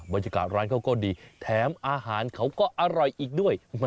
บรรยากาศร้านเขาก็ดีแถมอาหารเขาก็อร่อยอีกด้วย